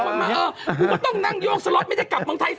ผมก็ต้องนั่งยอดสลัปไม่ได้กลับปล่องไทย๓วัน